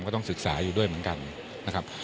ก็ต้องศึกษาอยู่ด้วยเหมือนกันนะครับ